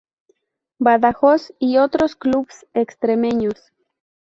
Badajoz y otros clubs extremeños.